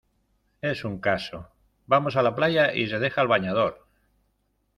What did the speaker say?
Es un caso, vamos a la playa y se deja el bañador.